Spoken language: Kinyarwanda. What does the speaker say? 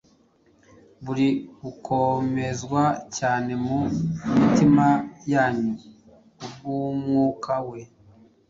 buri gukomezwa cyane mu mitima yanyu ku bw’Umwuka we